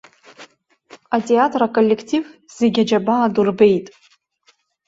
Атеатр аколлектив зегьы аџьабаа ду рбеит.